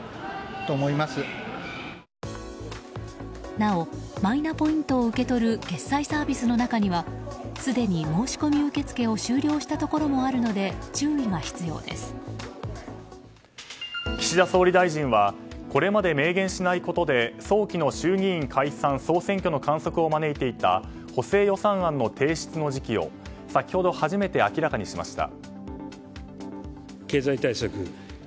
なおマイナポイントを受け取る決済サービスの中にはすでに申し込み受け付けを終了したところもあるので岸田総理大臣はこれまで明言しないことで早期の衆議院解散・総選挙の観測を招いていた補正予算案の提出の時期を先ほど、初めて明らかにしました。